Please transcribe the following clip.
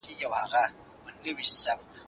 قرآن کريم د عربو په ژبه نازل سوی دی.